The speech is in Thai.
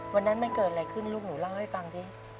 วันนั้นมันเกิดอะไรขึ้นลูกหนูเล่าให้ฟังสิ